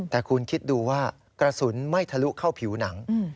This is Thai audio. แต่คุณคิดดูว่ากระสุนไม่ทะลุเข้าผิวหนัง